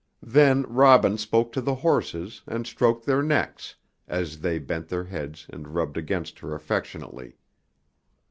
Then Robin spoke to the horses, and stroked their necks, as they bent their heads and rubbed against her affectionately.